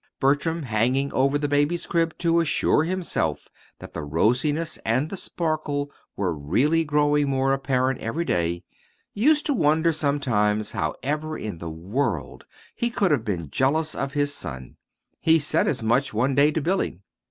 Bertram, hanging over the baby's crib to assure himself that the rosiness and the sparkle were really growing more apparent every day, used to wonder sometimes how ever in the world he could have been jealous of his son. He said as much one day to Billy.